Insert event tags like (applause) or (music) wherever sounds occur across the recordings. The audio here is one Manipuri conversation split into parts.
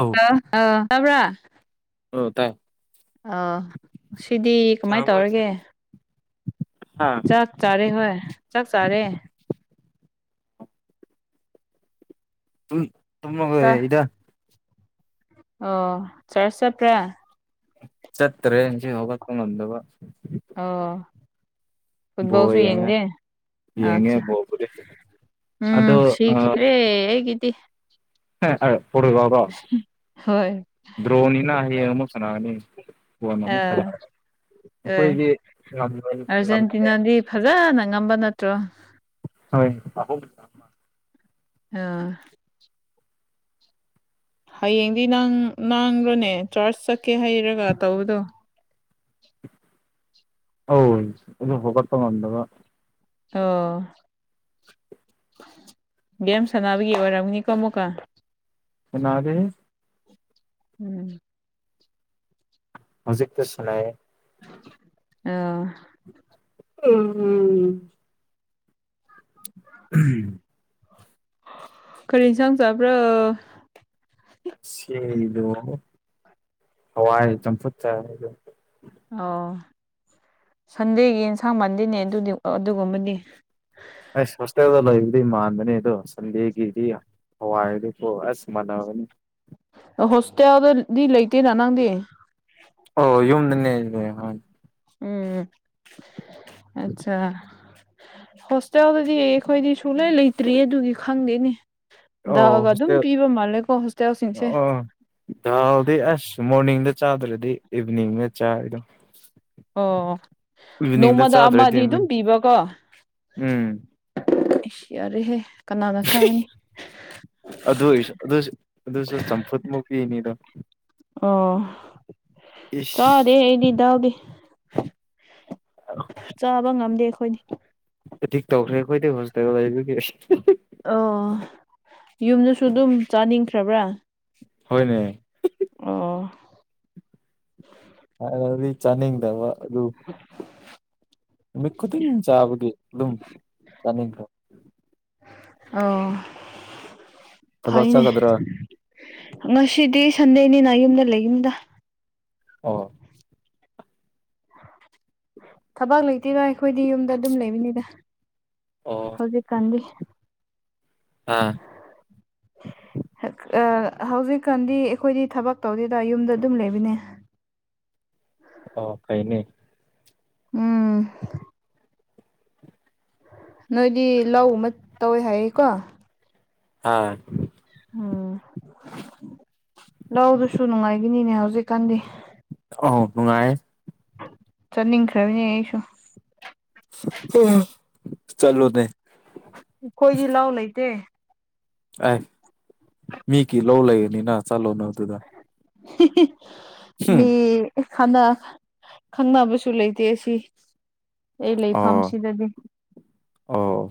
ꯑꯧ ꯑꯥ ꯇꯕ꯭ꯔꯥ ꯎ ꯇꯥꯏ ꯑꯥ ꯁꯤꯗꯤ ꯀꯃꯥꯏ ꯆꯥꯔꯕꯣ ꯇꯧꯔꯒꯦ ꯍꯥ ꯆꯥꯛ ꯆꯥꯔꯦ ꯍꯣꯏ ꯆꯥꯛ ꯆꯥꯔꯦ ꯇꯃ ꯆꯥ ꯏꯗ ꯑꯣ ꯆꯔꯁ ꯄ꯭ꯔꯥ ꯆꯠꯇꯦꯟꯖꯤ ꯍꯣꯛ ꯅꯗꯨꯒ ꯑꯣ ꯕꯣꯜ ꯐꯨꯠꯕꯣꯜꯁꯨ ꯌꯦꯡꯉꯦ ꯌꯦꯡꯗꯦ ꯌꯦꯡꯉꯦ ꯑꯆꯥ ꯕꯣꯜꯕꯨꯗꯤ ꯑꯗꯣ ꯎꯝ ꯁꯤꯤ ꯑꯦꯦ ꯍꯦꯒꯗꯤ ꯄꯨꯔꯒꯕꯣ ꯍꯣꯏ ꯗ꯭ꯔꯣꯅꯤꯅꯅꯥ ꯍ ꯃꯁꯅꯥꯅꯤ ꯑ ꯑꯦ ꯑꯩꯈꯣꯏꯗꯤ ꯉꯝꯃꯅꯤ ꯉꯝꯃꯅꯤ ꯑꯔꯖꯦꯟꯇꯤꯅꯥꯗꯤ ꯐꯖꯥꯅ ꯉꯝꯕ ꯅꯠꯇ꯭ꯔꯣ ꯍꯣꯏ ꯑ ꯑ ꯍꯌꯦꯡꯗꯤ ꯅꯥꯡꯈ꯭ꯔꯣꯅꯦ ꯆꯥꯔꯖ ꯆꯠꯀꯦ ꯍꯩꯔꯒ ꯇꯧꯕꯗꯣ ꯍ ꯑꯗꯨ ꯍꯒ ꯇꯕꯗꯕ ꯑꯣ ꯕꯦꯝ ꯁꯥꯟꯅꯕꯒꯤ ꯑꯣꯏꯔꯝꯅꯤ ꯀꯣꯃꯨꯀ ꯍꯟꯅꯔꯦ ꯎꯝ ꯍꯧꯖꯤꯛꯛꯇ ꯁꯅꯦ ꯑ ꯎꯝ ꯎꯝ ꯀꯔꯤꯅ ꯁꯪ ꯆꯕ꯭ꯔ ꯁꯤꯗꯨꯣ ꯍꯋꯥꯏ ꯆꯝꯐꯨꯠꯇꯗ ꯑꯣ ꯁꯟꯗꯦꯒꯤ ꯑꯦꯟꯁꯥꯡ ꯃꯥꯟꯗꯦꯅꯦ ꯑꯗꯨꯗꯤ ꯑꯗꯨꯒꯨꯝꯕꯗꯤ ꯑꯩꯁ ꯍꯣꯁꯇꯦꯜꯗ ꯂꯩꯕꯗꯤ ꯃꯥꯟꯕꯅꯤ ꯑꯗꯣ ꯁꯟꯗꯦꯒꯤꯗꯤ ꯍꯋꯥꯏ ꯑꯣ ꯑꯁ ꯃꯅꯥ ꯑꯃꯅꯤꯅꯤ ꯇ ꯑꯣꯗꯤ ꯂꯩꯇ ꯔ ꯂꯪꯗ ꯑꯣ ꯌꯨꯝꯗꯅꯦꯦ ꯎꯝ ꯑꯆꯥ ꯍꯣꯁꯇꯦꯜꯗꯗꯤ ꯑꯩꯈꯣꯏꯗꯤ ꯁꯨꯡꯛꯂꯩ ꯂꯩꯇ꯭ꯔꯤꯌꯦ ꯑꯗꯨꯒꯤ ꯈꯪꯗꯦꯅꯦ ꯑꯣ ꯗꯥꯜꯒ ꯑꯗꯨꯝ ꯍꯣꯁꯇ꯭ꯦꯜ ꯄꯤꯕ ꯃꯥꯜꯂꯦꯀꯣ ꯍꯣꯁꯇꯦꯜꯁꯤꯡꯁꯦ ꯗꯥꯎꯗꯤ ꯑꯁ ꯑ ꯃꯣꯔꯅꯤꯡꯗ ꯆꯥꯗ꯭ꯔꯗꯤ ꯏꯚꯤꯅꯤꯡꯅ ꯆꯥꯔꯤꯗꯣ ꯑꯣ ꯅꯣꯡꯃꯗ ꯆꯥꯗ꯭ꯔꯗꯤ ꯑꯃꯗꯤ ꯑꯗꯨꯝ ꯄꯤꯕꯀꯣ ꯎꯝ ꯌꯥꯔꯦ ꯍꯦ ꯑꯗꯨ ꯑꯗꯨꯁꯨ ꯑꯗꯨꯁꯨ ꯆꯝꯐꯨꯠ ꯃꯨꯛꯇꯤꯅꯤ ꯍꯣ ꯑꯣ ꯏꯁ ꯆꯥꯔꯦꯗꯤꯗ ꯍꯧꯒ ꯆꯥꯕ ꯉꯝꯗꯦ ꯑꯩꯈꯣꯏꯅꯤ ꯑꯤꯛ ꯇꯧꯈ꯭ꯔꯦ ꯑꯩꯈꯣꯏꯗꯩ ꯍꯣꯖꯤ ꯑꯣ ꯌꯨꯝꯗꯁꯨ ꯑꯗꯨꯝ ꯆꯥꯅꯤꯡꯈ꯭ꯔꯕ꯭ꯔꯥ ꯍꯅꯦ ꯑꯣ ꯑ ꯑꯗꯨꯗꯤ ꯆꯅꯤꯗꯕ ꯑꯗꯨ ꯑꯗꯨ ꯅꯨꯃꯤꯠ ꯈꯨꯗꯤꯡ ꯆꯥꯕꯒꯤ ꯑꯗꯨꯨꯝ ꯆꯥꯅꯤꯡꯈ꯭ꯔꯦ ꯑꯣ ꯊꯕꯛ ꯐꯩꯅꯦ ꯆꯠꯀꯗ꯭ꯔꯥ ꯉꯁꯤꯗꯤ ꯁꯟꯗꯩꯅꯤꯅ ꯌꯨꯝꯗ ꯂꯩ ꯌꯨꯝꯗ ꯑ ꯊꯕꯛ ꯂꯩꯇꯣꯏꯔꯣ ꯑꯩꯈꯣꯏꯗꯤ ꯌꯨꯝꯗ ꯑꯗꯨꯝ ꯂꯩꯕꯅꯤꯗ ꯑꯣ ꯍꯧꯖꯤ ꯀꯗꯤ ꯑꯥ ꯑ ꯍꯧꯖꯤꯛꯀꯥꯟꯗꯤ ꯑꯩꯈꯣꯏꯗꯤ ꯊꯕꯛ ꯇꯧꯗꯦꯗ ꯌꯨꯝꯗ ꯑꯗꯨꯝ ꯂꯩꯕꯅꯦ ꯑꯣ ꯀꯥꯏꯅꯦ ꯎꯝ ꯅꯣꯏꯗꯤ ꯂꯧ ꯑꯃ ꯇꯧꯋꯦ ꯍꯥꯏꯌꯦꯀꯣ ꯑꯥ ꯎꯝ ꯂꯗꯨꯁꯨ ꯅꯨꯡꯉꯥꯏꯈꯤꯅꯤꯅꯦ ꯍꯧꯖꯤꯛꯀꯥꯟꯗꯤ ꯑ ꯅꯨꯡꯉꯥꯏꯌꯦ ꯆꯠꯅꯤꯡꯈ꯭ꯔꯕꯤꯅꯦ ꯑꯩꯁꯨ ꯆꯂꯗ ꯑꯩꯈꯣꯏꯗꯤ ꯂꯧ ꯂꯩꯇꯦ ꯑꯦ ꯃꯤꯒꯤ ꯂꯧ ꯂꯩꯔꯅꯤꯅ ꯆꯠꯂꯣꯅ ꯑꯗꯨꯗ ꯍꯝ ꯃꯤ ꯥꯟꯅ ꯈꯪꯅꯕꯁꯨ ꯂꯩꯇꯦ ꯑꯁꯤ ꯑꯩ ꯑꯣ ꯂꯩꯐꯝ ꯁꯤꯗꯗꯤ ꯑꯣ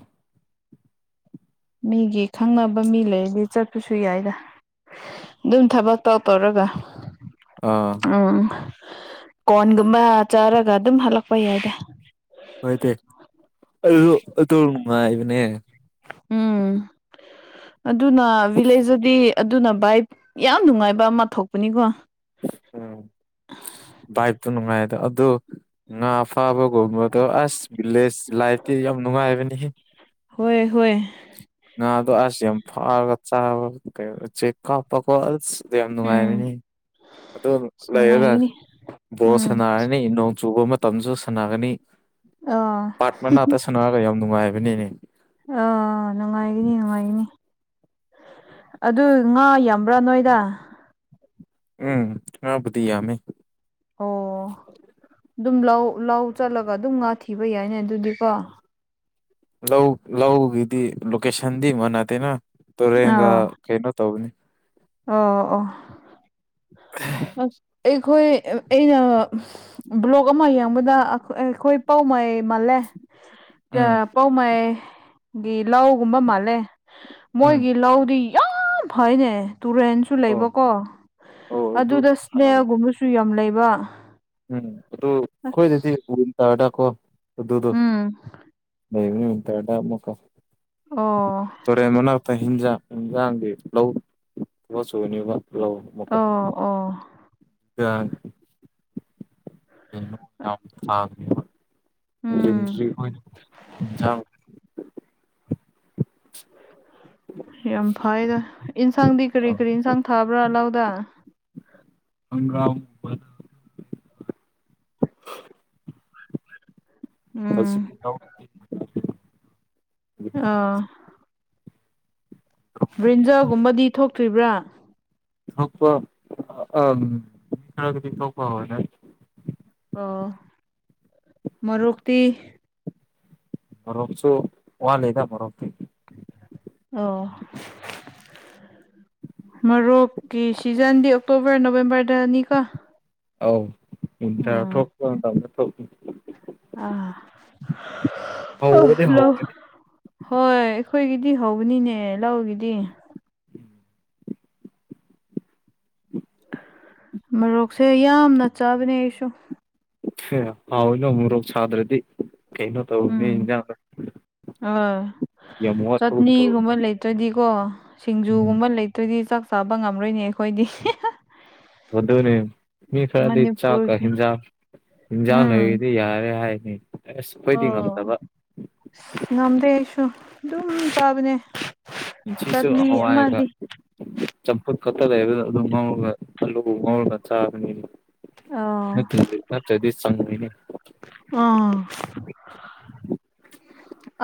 ꯃꯤꯒꯤ ꯈꯪꯅꯕ ꯃꯤ ꯂꯩꯔꯗꯤ ꯆꯠꯄꯁꯨ ꯌꯥꯏꯗ ꯑꯗꯨꯝ ꯊꯕꯛ ꯇꯧ ꯇꯧꯔꯒ ꯑꯥ ꯎꯝ ꯀꯣꯔꯟꯒꯨꯝꯕ ꯆꯥꯔꯒ ꯑꯗꯨꯝ ꯍꯜꯂꯛꯄ ꯌꯥꯏꯗꯦ ꯍꯗ ꯑꯗꯨꯅꯨꯡꯃ ꯏꯕꯅꯦ ꯎꯝ ꯑꯗꯨꯅ ꯚꯤꯂꯦꯖꯇꯗꯤ ꯑꯗꯨꯅ ꯚꯥꯏ ꯌꯥꯝ ꯅꯨꯡꯉꯥꯏꯕ ꯑꯃ ꯊꯣꯛꯄꯅꯤꯀꯣ ꯎꯝ ꯑꯗ ꯑꯗꯣ ꯉꯥ ꯐꯥꯕꯒꯨꯝꯕꯗꯣ ꯑꯁ ꯚꯤꯂꯦꯖ ꯂꯥꯏꯐꯇꯤ ꯌꯥꯝ ꯅꯨꯡꯉꯥꯏꯕꯅꯤ ꯍꯣꯏ ꯍꯣꯏ ꯉꯗꯣ ꯑꯁ ꯌꯥꯝ ꯐꯥꯔꯒ ꯆꯥꯕꯒ ꯀꯩ ꯆꯦꯛ ꯀꯥꯞꯄꯒꯣꯠ ꯑꯁ ꯑꯗꯨ ꯌꯥꯝ ꯎꯝ ꯅꯨꯡꯉꯥꯏꯕꯅꯤ ꯑꯗꯨ ꯑꯁ ꯂꯩꯔꯒ ꯅꯨꯡꯉꯥꯏꯒꯅꯤ ꯕꯣꯔꯣ ꯎꯝ ꯁꯥꯟꯅꯔꯅꯤ ꯆꯨꯕ ꯃꯇꯝꯗꯁꯨ ꯁꯥꯟꯅꯒꯅꯤ ꯑꯥ ꯄꯥꯠ ꯃꯅꯥꯛꯇ ꯁꯥꯟꯅꯔꯒ ꯌꯥꯝ ꯅꯨꯡꯉꯥꯏꯕꯅꯤꯅꯦ ꯑꯥ ꯅꯨꯡꯉꯥꯏꯒꯅꯤ ꯅꯨꯡꯉꯥꯏꯒꯅꯤ ꯑꯗꯨ ꯉꯥ ꯌꯥꯝꯕ꯭ꯔꯥ ꯅꯣꯏꯗ ꯎꯝ ꯍꯥꯕꯨꯗꯤꯤꯃꯦ ꯑꯣ ꯑꯗꯨꯝ ꯂ ꯂꯧ ꯆꯠꯂꯒ ꯑꯗꯨꯝ ꯉꯥ ꯊꯤꯕ ꯌꯥꯏꯅꯦ ꯑꯗꯨꯗꯤꯀꯣ ꯂꯧ ꯂꯧꯒꯤꯗꯤ ꯂꯣꯀꯦꯁꯟꯗꯤ ꯃ ꯅꯗꯦꯅ ꯑꯥ ꯇꯨꯔꯦꯟꯒ ꯀꯩꯅꯣ ꯇꯧꯅꯤ ꯑꯣ ꯑꯣ ꯑ ꯑꯩꯈꯣꯏ ꯑꯩꯅ ꯕ꯭ꯂꯣꯛ ꯑꯃ ꯌꯦꯡꯕꯗ ꯑꯩꯈꯣꯏ ꯄꯥꯎ ꯃꯩ ꯃꯥꯜꯂꯦ ꯎꯝ ꯄꯧꯃꯥꯏ ꯒꯤ ꯂꯧꯒꯨꯝꯕ ꯃꯥꯜꯂꯦ ꯎꯝ ꯃꯣꯏꯒꯤ ꯂꯧꯗꯤ ꯌꯥꯝ ꯐꯩꯅꯦ ꯇꯨꯔꯦꯟꯁꯨ ꯑꯣ ꯂꯩꯕꯀꯣ ꯑꯣ ꯑꯗꯨ ꯑꯗꯨꯗ ꯐꯕꯅꯦ ꯁ꯭ꯅꯦꯒꯨꯝꯕꯁꯨ ꯌꯥꯝ ꯂꯩꯕ ꯎꯝ ꯑꯗꯨ ꯑꯁ ꯑꯩꯣꯏꯗꯗꯤ ꯎ ꯇꯔꯗ ꯀꯣ ꯑꯗꯨ ꯑꯗꯨ ꯎꯝ ꯇꯔꯃꯀ ꯑꯣ ꯑꯩ ꯍꯤꯟꯖꯥꯡ ꯌꯦꯟꯖꯥꯡꯗꯤ ꯂꯧ ꯊ ꯁꯨꯅꯦꯕ ꯑꯣ ꯑꯣ ꯑ (unintelligible) ꯎꯝ ꯔꯤ (unintelligible) ꯌꯥꯝ ꯐꯩꯗ ꯑꯦꯟꯁꯥꯡꯗꯤ ꯀꯔꯤ ꯀꯔꯤ ꯏꯟꯁꯥꯡ ꯊꯥꯕ꯭ꯔꯥ ꯂꯧꯥꯎꯗꯥ ꯍꯪꯒꯥꯝ ꯇꯁꯤ ꯎꯝ ꯑꯥ ꯕ꯭ꯔꯤꯟꯖꯒꯨꯝꯕꯗꯤ ꯊꯣꯛꯇ꯭ꯔꯤꯕ꯭ꯔꯥ ꯊꯣꯛꯄ ꯑꯗꯤ ꯊꯣꯛꯄ ꯃꯔꯤ ꯃꯣꯁꯨ ꯋꯥꯟ ꯂꯩꯗ ꯃꯔꯣꯤ ꯑꯣ ꯃꯔꯣꯛꯀꯤ ꯁꯤꯖꯟꯗꯤ ꯑꯣꯛꯇꯣꯕꯔ ꯅꯕꯦꯝꯕꯔꯗꯅꯤꯀ ꯑꯥꯎ ꯃꯇ ꯊꯣꯝ ꯇꯅ ꯊꯣ ꯑ ꯍꯧꯕꯗꯤ ꯂ ꯍꯧꯔꯅꯤ ꯍꯣꯏ ꯑꯩꯈꯣꯏꯒꯤꯗꯤ ꯍꯧꯕꯅꯤꯅꯦ ꯂꯧꯒꯤꯗꯤ ꯎꯝ ꯃꯔꯣꯛꯁꯦ ꯌꯥꯝꯅ ꯆꯥꯕꯅꯦ ꯑꯩꯁꯨ ꯑꯦ ꯍꯥꯎꯏꯅꯣ ꯃꯣꯔꯣꯛ ꯁꯥꯗ꯭ꯔꯗꯤ ꯀꯩꯅꯣ ꯇꯧꯅꯦ ꯎꯝ ꯏꯟꯖꯥꯡ ꯑꯥ ꯆꯠꯅꯤꯒꯨꯝꯕ ꯇꯧꯕꯅꯤ ꯂꯩꯇꯣꯏꯗꯤꯀꯣ ꯎꯝ ꯁꯤꯡꯖꯨꯒꯨꯝꯕ ꯂꯩꯇꯣꯏꯗꯤ ꯆꯥꯛ ꯆꯥꯕ ꯉꯝꯔꯣꯏꯅꯦ ꯑꯩꯈꯣꯏꯗꯤ ꯨꯅꯦ ꯃꯤ ꯐꯔꯗꯤ ꯏ ꯆ ꯀ ꯃꯅꯤꯄꯨꯔꯒꯤ ꯍꯖꯥ ꯏꯖꯥꯎ ꯎꯝ ꯅꯣꯏꯗꯤ ꯌꯥꯔꯦ ꯍꯥꯏ ꯑꯣ ꯉꯝꯗꯦꯁꯨ ꯑꯗꯨꯝ ꯇꯥꯕꯅꯦ ꯁꯨ ꯍꯋꯥꯒ ꯆꯝꯄꯨ ꯀꯠꯇꯗ ꯍꯥꯏꯕꯗ ꯑꯗꯨ ꯉꯧꯔꯒ ꯑꯂꯨ ꯉꯧꯔꯒ ꯆꯥꯕꯅꯤꯅ ꯑ ꯆꯪꯉꯣꯏꯅꯦ ꯑ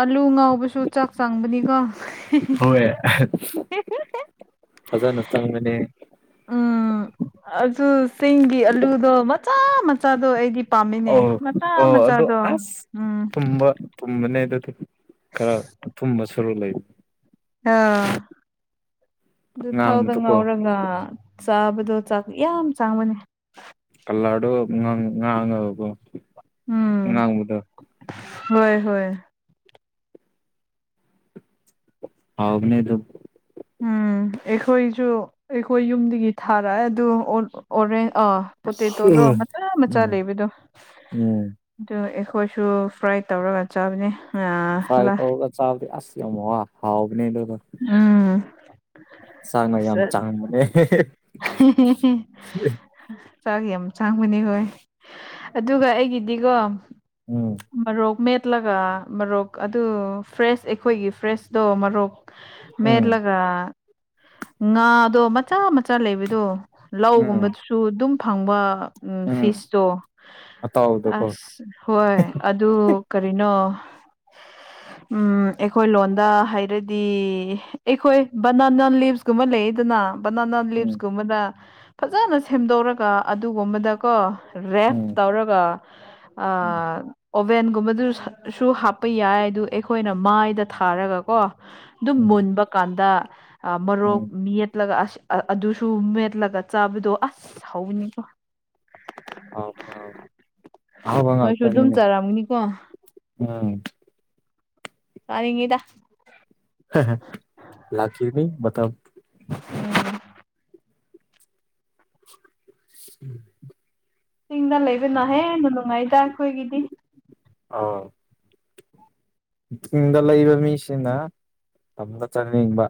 ꯑꯂꯨ ꯉꯥꯎꯕꯁꯨ ꯆꯥꯛ ꯆꯥꯡꯕꯅꯤꯀꯣ ꯍ ꯌꯥ ꯐꯖ ꯅꯁꯇꯪ ꯃꯅꯦ ꯎꯝ ꯑꯗꯨ ꯁꯤꯡꯒꯤ ꯑꯂꯨꯗꯣ ꯃꯆꯥ ꯃꯆꯥꯗꯣ ꯑꯩꯒꯤ ꯄꯥꯝꯃꯤꯅꯦ ꯑꯧ ꯃꯆꯥ ꯑꯣ ꯑꯗꯣ ꯃꯆꯥꯗꯣ ꯑꯁ ꯎꯝ ꯊꯨꯝꯕ ꯊꯨꯝꯕꯅꯦ ꯑꯗꯨꯗꯤ ꯈꯔ ꯊꯨꯝꯕ ꯁꯔꯨ ꯂꯩ ꯑꯥ ꯑꯗꯨ ꯊꯥꯎꯗ ꯉꯥꯡꯕꯗꯣꯀꯣ ꯉꯥꯎꯔꯒ ꯆꯥꯕꯗꯣꯥꯛ ꯌꯥꯝ ꯆꯥꯡꯕꯅꯦ ꯜꯂꯣ ꯉꯥꯡ ꯉꯥꯡꯉꯕ ꯎꯝ ꯉ ꯉꯥꯡꯗ ꯍꯣꯏ ꯍꯣꯏ ꯍꯥꯎꯅꯦ ꯑꯗꯨ ꯎꯝ ꯑꯩꯈꯣꯏꯁꯨ ꯑꯩꯈꯣꯏ ꯌꯨꯝꯗꯒꯤ ꯊꯥꯔꯛꯑꯦ ꯑꯗꯨ ꯑꯣꯔꯦꯟ ꯑꯥ ꯄꯣꯇꯦꯇꯣꯗꯣ ꯃꯆꯥ ꯃꯆꯥ ꯎꯝ ꯂꯩꯕꯗꯣ ꯎꯝ ꯑ ꯑꯩꯈꯣꯏꯁꯨ ꯐ꯭ꯔꯥꯏ ꯇꯧꯔꯒ ꯆꯥꯕꯅꯤ ꯐꯥꯏ ꯐ ꯆ ꯑꯁꯤ ꯌꯥꯝ ꯋꯥ ꯍꯥꯎꯕ ꯅ ꯂꯩꯗ ꯎꯝ ꯆꯥꯡꯉ ꯌꯥꯝ ꯆꯥꯡꯉꯅꯦ ꯆꯥꯛꯁ ꯌꯥꯝ ꯆꯥꯡꯕꯅꯤ ꯍꯣꯏ ꯑꯗꯨꯒ ꯑꯩꯒꯤꯗꯤꯀꯣ ꯎꯝ ꯔꯣꯒꯃꯦ ꯆꯠꯂꯒ ꯃꯣꯔꯣꯛ ꯑꯗꯨ ꯐ꯭ꯔꯦꯁ ꯑꯩꯈꯣꯏꯒꯤ ꯐ꯭ꯔꯦꯁꯇꯣ ꯃꯣꯔꯣꯛ ꯎꯝ ꯃꯦꯠꯂꯒ ꯉꯥꯗꯣ ꯃꯆꯥ ꯃꯆꯥ ꯂꯩꯕꯗꯣ ꯎꯝ ꯂꯧꯒꯨꯝꯕꯗꯨꯁꯨ ꯑꯗꯨꯝ ꯐꯪꯕ ꯎ ꯎꯝ ꯐꯤꯁꯇꯣ ꯑꯇꯥꯎꯕꯗꯀꯣ ꯑꯁ ꯍꯣꯏ ꯑꯗꯨ ꯀꯔꯤꯅꯣ ꯎꯝ ꯑꯩꯈꯣꯏ ꯂꯣꯟꯗ ꯍꯥꯏꯔ ꯗꯤ ꯑꯩꯈꯣꯏ ꯕꯅꯥꯅꯥ ꯂꯤꯞꯁꯀꯨꯝꯕ ꯂꯩꯗꯅ ꯕꯅꯥꯅꯥ ꯎꯝ ꯂꯤꯞꯁꯀꯨꯝꯕꯗ ꯐꯖꯅ ꯁꯦꯝꯗꯧꯔꯒ ꯑꯗꯨꯒꯨꯝꯕꯗꯀꯣ ꯔꯦꯞ ꯎꯝ ꯇꯧꯔꯒ ꯎꯝ ꯑꯣꯚꯦꯟꯒꯨꯝꯕꯗꯨ ꯁꯨ ꯍꯥꯞꯄ ꯌꯥꯏ ꯑꯗꯨ ꯑꯩꯈꯣꯏꯅ ꯃꯥꯏꯗ ꯊꯥꯔꯒꯀꯣ ꯑꯗꯨꯝ ꯎꯝ ꯃꯨꯟꯕ ꯀꯥꯟꯗ ꯃꯔꯣꯛ ꯎꯝ ꯃꯠꯂꯒ ꯑꯁ ꯑꯗꯨꯁꯨ ꯃꯦꯠꯂꯒ ꯆꯥꯕꯗꯣ ꯑꯁ ꯍꯧꯋꯤꯅꯤꯀꯣ ꯑꯥꯎ ꯑꯥꯎꯉ ꯅꯣꯏꯁꯨ ꯑꯗꯨꯝ ꯎꯝ ꯆꯥꯔꯝꯒꯅꯤꯀꯣ ꯇꯅꯤꯡꯉꯤꯗ ꯂꯀꯅꯤ ꯃꯊ ꯎꯝ ꯎꯝ ꯆꯤꯡꯗ ꯂꯩꯕꯅꯍꯦꯟꯅꯅꯨꯡ ꯅꯨꯡꯉꯥꯏꯗ ꯑꯩꯈꯣꯏꯒꯤꯗꯤ ꯑꯥꯎ ꯗꯂ ꯏꯕ ꯃꯤꯁꯤꯅ ꯇꯝꯗ ꯆꯠꯅꯤꯡꯕ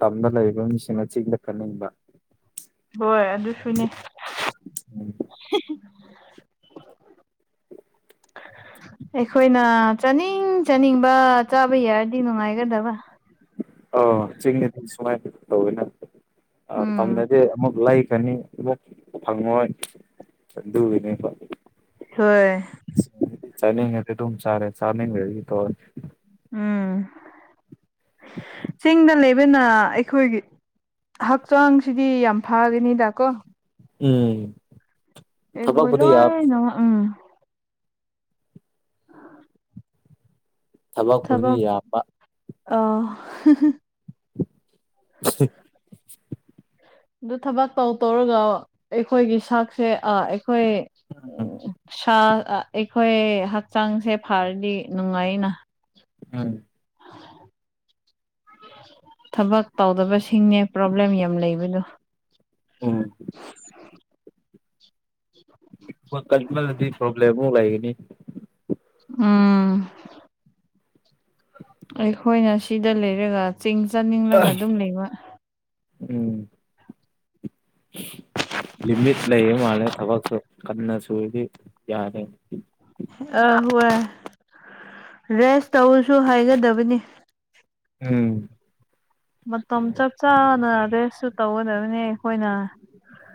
ꯇꯝꯗ ꯂꯩꯔꯤꯕ ꯃꯤꯁꯤꯡꯅ ꯆꯤꯡꯂꯛ ꯀꯠꯅꯤꯡꯕ ꯍꯣꯏ ꯑꯗꯨ ꯁꯨꯅꯦ ꯑꯩꯈꯣꯏꯅ ꯆꯥꯅꯤꯡ ꯆꯥꯅꯤꯡꯕ ꯆꯥꯕ ꯌꯥꯔꯗꯤ ꯅꯨꯡꯉꯥꯏꯒꯗꯕ ꯑ ꯆꯤꯡꯅꯤ ꯁꯨꯃꯥꯏꯅ ꯎꯝ ꯇꯧꯋꯤꯝꯅꯗꯤ ꯑꯃꯨꯛ ꯂꯥꯏꯛ ꯈꯅꯤ ꯑꯃꯨꯛ ꯐꯪꯉꯣꯏ ꯑꯗꯨꯒꯤꯅꯤ ꯍꯣꯏ ꯆꯅꯤꯡꯉꯦ ꯊ ꯆꯥꯔꯦ ꯆꯥꯅꯤꯡ ꯎꯝ ꯆꯤꯡꯗ ꯂꯩꯕꯅ ꯑꯩꯈꯣꯏꯒꯤ ꯍꯛꯆꯥꯡꯁꯤꯗꯤ ꯌꯥꯝ ꯐꯒꯅꯤꯗꯀꯣ ꯎꯝ ꯑꯩ ꯍꯂꯣ ꯊꯕꯛꯄꯨꯗꯤ ꯌꯥꯝꯃꯤ ꯅꯉ ꯎꯝ ꯆꯕ ꯈꯨꯔꯕꯤ ꯊꯕꯛ ꯌꯥꯄꯥ ꯑ ꯁꯦ ꯑ ꯊꯕꯥꯛ ꯇꯧ ꯇꯧꯔꯒ ꯑꯩꯈꯣꯏꯒꯤ ꯁꯥꯛꯁꯦ ꯑꯩꯈꯣꯏ ꯎꯝ ꯎ ꯁꯥ ꯑꯩꯈꯣꯏ ꯍꯛꯆꯥꯡꯁꯦ ꯐꯔꯗꯤ ꯅꯨꯡꯉꯥꯏꯅ ꯎꯝ (inaudible) ꯊꯕꯛ ꯇꯧꯗꯕꯁꯤꯡꯅꯦ ꯄ꯭ꯔꯣꯕ꯭ꯂꯦꯝ ꯌꯥꯝ ꯂꯩꯕꯗꯣ ꯎꯝ ꯀꯜꯃꯜꯗꯤ ꯄ꯭ꯔꯣꯕ꯭ꯂ ꯑꯃꯣꯛ ꯂꯩꯒꯅꯤ ꯎꯝ ꯑꯩꯈꯣꯏꯅ ꯁꯤꯗ ꯂꯩꯔꯒ ꯆꯤꯡ ꯆꯥꯅꯤꯡꯂꯒ ꯑꯗꯨꯝ ꯂꯩꯕ ꯎꯝ (inaudible) ꯂꯤꯃꯤꯠ ꯂꯩꯌꯦ ꯃꯥꯂꯦ ꯊꯕꯛꯁꯨ ꯀꯟꯅꯁꯨꯨꯔꯗꯤ ꯌꯥꯅꯤ ꯑꯍꯣꯏ ꯔꯦꯁ ꯇꯧꯔꯥꯁꯨ ꯍꯥꯏꯒꯗꯕꯅꯤ ꯎꯝ ꯃꯇꯝ ꯆꯞ ꯆꯥꯅ ꯔꯦꯁ ꯁꯨ ꯇꯧꯒꯗꯕꯅꯦ ꯑꯩꯈꯣꯏꯅ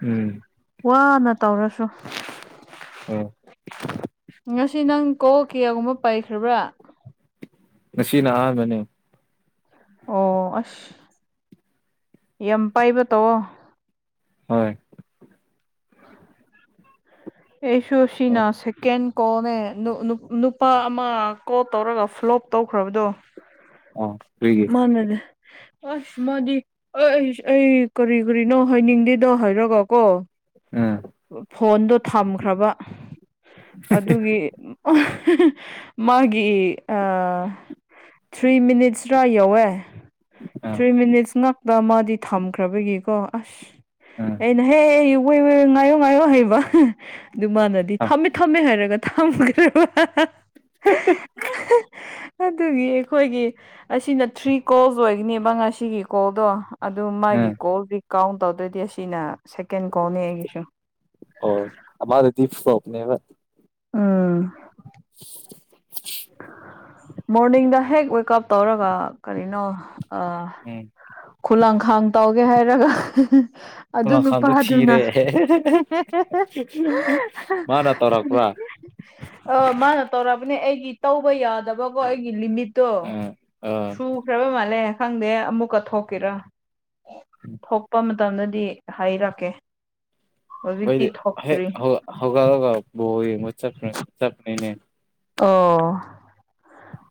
ꯎꯝ ꯋꯥꯅ ꯇꯧꯔꯁꯨ ꯎꯝ ꯉꯁꯤ ꯅꯪ ꯀꯣ ꯀꯌꯥꯒꯨꯝꯕ ꯄꯥꯏꯈ꯭ꯔꯕ꯭ꯔꯥ ꯅꯁꯤꯅ ꯑꯥꯍꯥꯟꯕꯅꯦ ꯑꯣ ꯑꯁ ꯌꯥꯝ ꯄꯥꯏꯕ ꯇꯧꯑꯣ ꯍꯣꯏ ꯑꯦꯁꯣꯁꯤꯅ ꯁꯦ ꯀꯦꯟ ꯀꯣꯅꯦ ꯅꯨꯄꯥ ꯑꯃ ꯀꯣꯜ ꯇꯧꯔꯒ ꯐ꯭ꯂꯣꯞ ꯇꯧꯈ꯭ꯔꯕꯗꯣ ꯑꯣ ꯀꯔꯤꯒꯤ ꯃꯥꯅꯅꯦ ꯑꯁ ꯃꯥꯗꯤ ꯑꯩ ꯑꯩꯁ ꯑꯩ ꯀꯔꯤ ꯀꯔꯤꯅꯣ ꯍꯥꯏꯅꯤꯡꯗꯦꯗꯣ ꯍꯥꯏꯔꯒ ꯀꯣ ꯎꯝ ꯐꯣꯟꯗꯣ ꯊꯝꯈ꯭ꯔꯕ ꯑꯗꯨꯒꯤ ꯃꯥꯒꯤ ꯊ꯭ꯔꯤ ꯃꯤꯅꯤꯠ ꯔꯥ ꯌꯧꯋꯦ ꯑꯥ ꯊ꯭ꯔꯤ ꯃꯤꯅꯤꯠꯁ ꯉꯥꯛꯇ ꯃꯥꯗꯤ ꯊꯝꯈ꯭ꯔꯕꯒꯤꯀꯣ ꯑꯁ ꯎꯝ ꯑꯩꯅꯍꯦ ꯑꯩ ꯉꯥꯏꯌꯣ ꯉꯥꯏꯌꯣ ꯍꯩꯕ ꯑꯗꯨ ꯃꯥꯅꯗꯤ ꯑꯥ ꯊꯝꯃꯦ ꯊꯝꯃꯦ ꯍꯥꯏꯔꯒ ꯊꯝꯈ꯭ꯔꯦꯕ ꯁꯨ (unintelligible) ꯑꯗꯨꯒꯤ ꯑꯩꯈꯣꯏꯒꯤ ꯑꯁꯤꯅ ꯊ꯭ꯔꯤ ꯀꯣꯜꯁ ꯑꯣꯏꯒꯅꯤꯕ ꯉꯁꯤꯒꯤ ꯀꯣꯜꯗꯣ ꯑꯗꯨ ꯃꯥꯒꯤ ꯎꯝ ꯀꯣꯜꯗꯤ ꯀꯥꯎꯟ ꯇꯧꯗꯣꯏꯗꯤ ꯑꯁꯤꯅ ꯁꯦꯀꯦꯟ ꯀꯣꯜꯅꯤ ꯑꯩꯒꯤꯁꯨ ꯑꯣ ꯑꯗꯤꯞꯀꯅꯦꯕ ꯎꯝ ꯁ (inaudible) ꯃꯣꯔꯅꯤꯡꯗ ꯍꯦꯛ ꯋꯦꯀꯑꯞ ꯇꯧꯔꯒ ꯀꯔꯤꯅꯣ ꯑꯥ ꯎꯝ ꯈꯨꯂꯥꯡꯈꯥꯡ ꯇꯧꯒꯦ ꯍꯥꯏꯔꯒ ꯑꯗꯨ ꯈꯨꯂꯪꯈꯥꯡꯗꯣ ꯅꯨꯄꯥꯗꯨꯅ ꯊꯤꯔꯦ ꯃꯥꯅ ꯇꯧꯔꯛꯄ꯭ꯔꯥ ꯑ ꯃꯥꯅ ꯇꯧꯔꯛꯑꯕꯅꯦ ꯑꯩꯒꯤ ꯇꯧꯕ ꯌꯥꯗꯕꯀꯣ ꯑꯩꯒꯤ ꯂꯤꯃꯤꯠ ꯗꯣ ꯑꯥ ꯑꯥ ꯁꯨꯈ꯭ꯔꯕ ꯃꯥꯜꯂꯦ ꯈꯪꯗꯦ ꯑꯃꯨꯛꯀ ꯊꯣꯛꯀꯦꯔꯥ ꯊꯣꯛꯄ ꯃꯇꯝꯗꯗꯤ ꯍꯥꯏꯔꯛꯀꯦ ꯍꯧꯖꯤꯛꯇꯤ ꯑꯩꯈꯣꯏꯗꯤ ꯍꯦꯛ ꯊꯣꯛꯇ꯭ꯔꯤ ꯍꯧ ꯍꯧꯒꯠꯂꯒꯥ ꯕꯥꯜ ꯌꯦꯡꯉ ꯆ ꯆꯠꯄꯅꯤꯅꯦ ꯑꯣ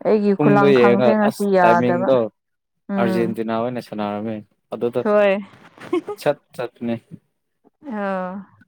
ꯑꯩꯒꯤ ꯄꯨꯡꯗꯣ ꯈꯨꯂꯥꯡ ꯈꯥꯡꯁꯦ ꯌꯦꯡꯉꯒ ꯑꯁ ꯉꯁꯤ ꯌꯥꯗꯕ ꯇꯥꯏꯃꯤꯡꯗꯣ ꯎꯝ ꯑꯥꯔꯖꯦꯟꯇꯤꯅꯥ ꯑꯣꯏꯅ ꯅꯩꯁꯤꯜ ꯁꯅꯥꯔꯝꯃꯦ ꯑꯗꯨꯗ ꯍꯣꯏ ꯁꯠ ꯆꯠꯄꯥꯅꯦ ꯑ